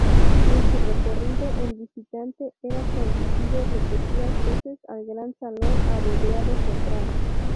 En su recorrido, el visitante era conducido repetidas veces al gran salón abovedado central.